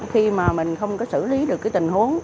khi mà mình không có xử lý được cái tình huống